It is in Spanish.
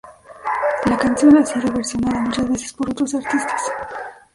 La canción ha sido versionada muchas veces por otros artistas.